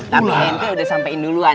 tapi mp udah sampein duluan